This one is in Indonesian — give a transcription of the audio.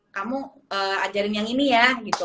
kamu ajarin yang ini ya gitu